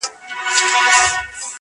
زه به د پنجاب د ړنګېدلو زېری درکمه،